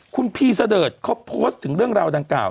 คุณพีเสดิร์ดเขาโพสต์ถึงเรื่องราวดังกล่าว